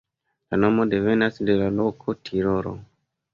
La nomo devenas de la loko Tirolo.